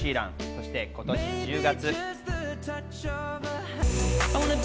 そして今年１０月。